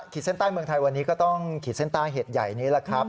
เส้นใต้เมืองไทยวันนี้ก็ต้องขีดเส้นใต้เหตุใหญ่นี้แหละครับ